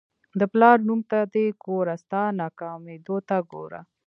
د پلار نوم ته دې ګوره ستا ناکامېدو ته ګوره.